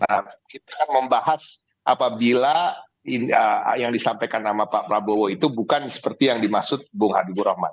kita akan membahas apabila yang disampaikan sama pak prabowo itu bukan seperti yang dimaksud bung habibur rahman